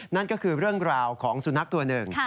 นั่นก็คือเรื่องราวของสุนัขตัวหนึ่ง